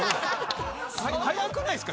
早くないっすか？